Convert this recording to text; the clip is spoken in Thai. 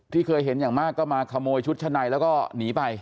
เคยเห็นอย่างมากก็มาขโมยชุดชั้นในแล้วก็หนีไป